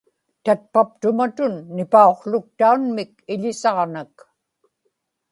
tatpaptumatun nipauqłuktaunmik iḷisaġnak